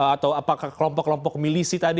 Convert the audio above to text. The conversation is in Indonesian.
atau apakah kelompok kelompok milisi tadi